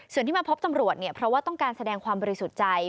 ส่วนที่มาพบตำรวจเนี่ยเพราะว่าต้องการแสดงความบริสุทธิ์ใจ